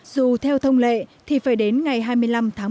dù theo thông lệ thì phải đến ngày hai mươi năm tháng một mươi